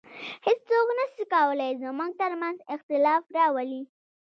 هیڅوک نسي کولای زموږ تر منځ اختلاف راولي